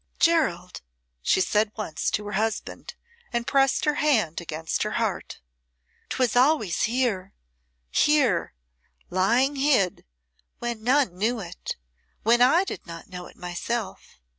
"Gerald," she said once to her husband, and pressed her hand against her heart, "'twas always here here, lying hid, when none knew it when I did not know it myself.